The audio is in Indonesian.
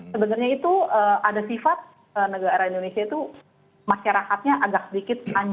sebenarnya itu ada sifat negara negara indonesia itu masyarakatnya agak sedikit ranja gitu ya